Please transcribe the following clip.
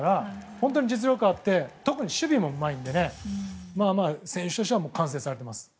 本当に実力があって特に守備もうまいので選手層も完成されています。